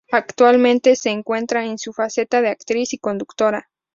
Actualmente se encuentra en su faceta de actriz y conductora.